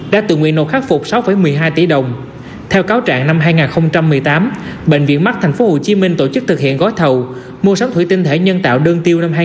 đã đến tận nhà làm căn cức công dân